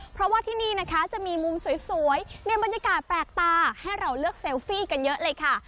เพราะว่าที่นี่นะคะจะมีมุมสวยในบรรยากาศแปลกตาให้เราเลือกเซลฟี่กันเยอะเลยค่ะ